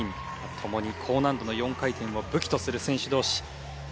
ともに高難度の４回転を武器とする選手同士。